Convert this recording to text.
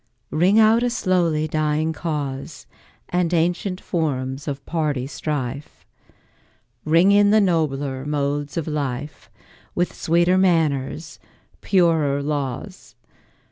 Ring out a slowly dying cause, And ancient forms of party strife; Ring in the nobler modes of life, With sweeter manners, purer laws.